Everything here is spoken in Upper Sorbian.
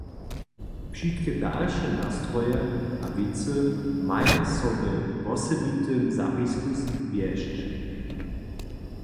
Wšitke dalše nastroje a wěcy maja so we wosebitym zapisku wjesć.